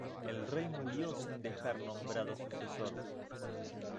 El rey murió sin dejar nombrado sucesor.